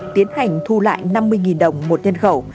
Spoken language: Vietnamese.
tiến hành thu lại năm mươi đồng một nhân khẩu